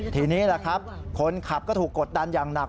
ทีนี้แหละครับคนขับก็ถูกกดดันอย่างหนัก